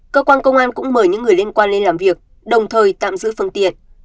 cơ quan công an cũng mời những người liên quan lên làm việc đồng thời tạm giữ phương tiện